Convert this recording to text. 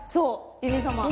ゆに様。